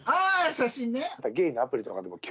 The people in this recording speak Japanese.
写真ね。